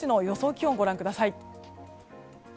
気温をご覧ください。